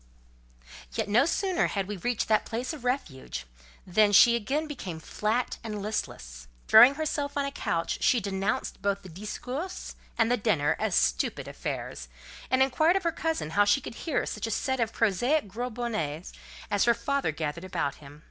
Yet, no sooner had we reached that place of refuge, than she again became flat and listless: throwing herself on a couch, she denounced both the "discours" and the dinner as stupid affairs, and inquired of her cousin how she could hear such a set of prosaic "gros bonnets" as her father gathered about him.